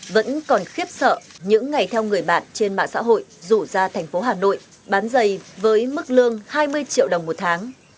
vẫn còn khiếp sợ những ngày theo người bạn trên mạng xã hội rủ ra thành phố hà nội bán giày với mức lương hai mươi triệu đồng một tháng